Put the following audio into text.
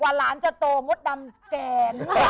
กว่าหลานจะโตม็ดดำแก่